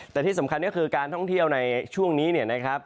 แต่ที่สำคัญก็คือการท่องเที่ยวในช่วงนี้